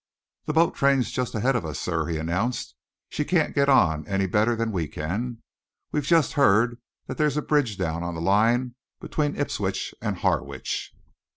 "The boat train's just ahead of us, sir," he announced. "She can't get on any better than we can. We've just heard that there's a bridge down on the line between Ipswich and Harwich."